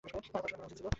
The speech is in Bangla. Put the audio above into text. আরো পড়াশোনা করা উচিত ছিল।